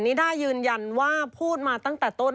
นิด้ายืนยันว่าพูดมาตั้งแต่ต้น